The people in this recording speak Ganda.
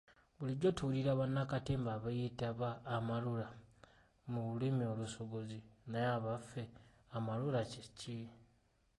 Bulijjo tuwulira bannakatemba abeeyita ba 'amalula' mu lulimi olusogozi naye abaffe amalula kye ki?